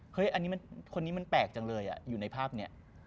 อันนี้คนนี้มันแปลกจังเลยอยู่ในภาพนี้